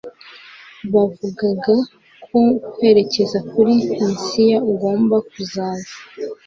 bavugaga ko bwerekeza kuri Mesiya ugomba kuzaza.